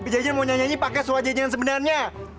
jajan mau nyanyi nyanyi pakai suara jajan sebenarnya